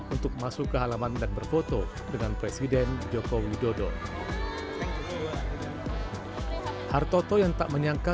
untuk masuk ke halaman dan berfoto dengan presiden joko widodo hartoto yang tak menyangka